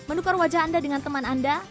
menukar wajah anda dengan teman anda